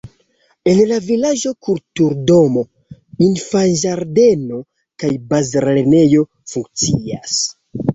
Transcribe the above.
En la vilaĝo kulturdomo, infanĝardeno kaj bazlernejo funkcias.